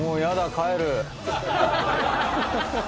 帰る。